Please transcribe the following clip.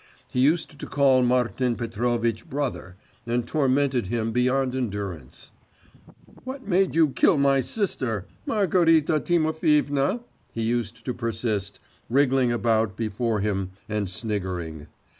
He used to call Martin Petrovitch brother, and tormented him beyond endurance. 'What made you kill my sister, Margarita Timofeevna?' he used to persist, wriggling about before him and sniggering.